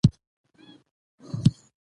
او نايله په ځواب کې ورته وايې